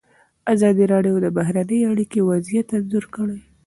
ازادي راډیو د بهرنۍ اړیکې وضعیت انځور کړی.